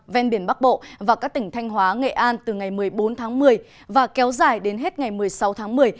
ven biển bắc bộ và các tỉnh thanh hóa nghệ an từ ngày một mươi bốn tháng một mươi và kéo dài đến hết ngày một mươi sáu tháng một mươi